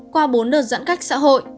qua bốn đợt giãn cách xã hội